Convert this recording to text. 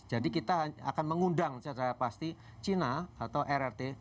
jadi kita akan mengundang secara pasti china atau rrt masuk lalu